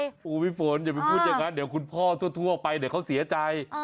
โอ้โหพี่ฝนอย่าไปพูดอย่างนั้นเดี๋ยวคุณพ่อทั่วไปเดี๋ยวเขาเสียใจ